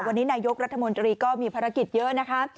วันนี้นายกรัฐมนตรีก็มีภารกิจเยอะนะคะ